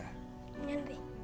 hanya saja karena penyakitnya